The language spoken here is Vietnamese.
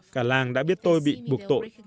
cả làng đã biết tôi bị buộc tội